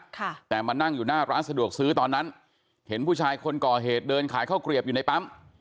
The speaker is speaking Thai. ค่ะแต่มานั่งอยู่หน้าร้านสะดวกซื้อตอนนั้นเห็นผู้ชายคนก่อเหตุเดินขายข้าวเกลียบอยู่ในปั๊ม